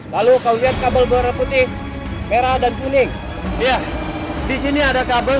dan biarkan bom itu meledak dalam air